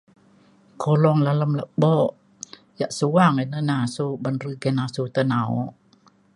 kolong dalem lepo yak suang ina na asu ban re nggin asu tai na’ok